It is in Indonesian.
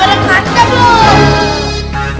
udah pada kacet loh